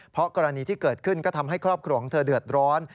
เพราะกรณีที่เกิดขึ้นก็ทำให้ครอบครัวของเธอเดือดร้อน